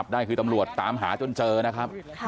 ก็คือร้องไห้ตลอดละ